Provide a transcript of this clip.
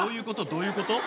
どういうこと？